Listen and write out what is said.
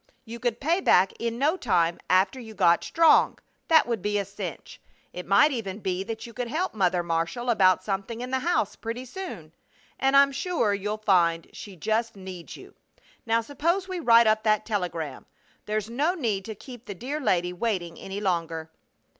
You could pay back in no time after you got strong. That would be a cinch! It might even be that you could help Mother Marshall about something in the house pretty soon. And I'm sure you'll find she just needs you. Now suppose we write up that telegram. There's no need to keep the dear lady waiting any longer."